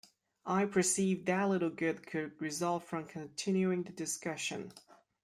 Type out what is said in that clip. I perceived that little good could result from continuing the discussion.